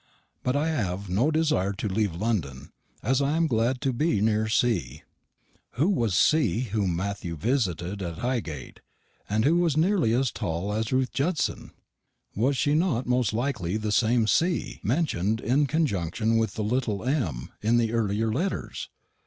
Butt I hav no desire to leeve London, as I am gladd to be neare C." Who was C., whom Matthew visited at Highgate, and who was nearly as tall as Ruth Judson? Was she not most likely the same C. mentioned in conjunction with the little M. in the earlier letters?